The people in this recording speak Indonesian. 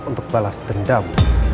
untuk balas dendam